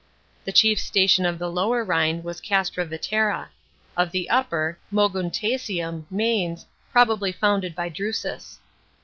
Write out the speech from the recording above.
The chief station of the Lower Rhine was Castra Vetera ; of the Upper, Moguntiacum (Mainz), probably founded by Drusus.